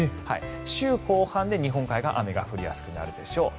週後半で日本海側雨が降りやすくなるでしょう。